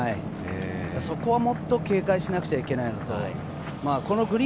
そこはもっと警戒しなくちゃいけなかった。